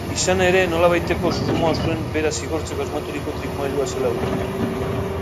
Izan ere, nolabaiteko susmoa zuen bera zigortzeko asmaturiko trikimailua zela hura.